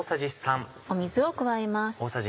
水を加えます。